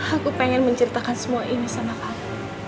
aku pengen menceritakan semua ini sama aku